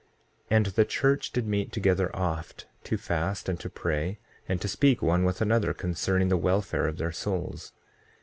6:5 And the church did meet together oft, to fast and to pray, and to speak one with another concerning the welfare of their souls.